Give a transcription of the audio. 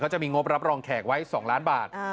จะมีงบรับรองแขกไว้๒ล้านบาท